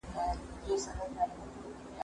زه ليکنې کړي دي!!